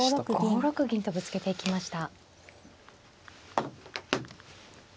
５六銀とぶつけていきました。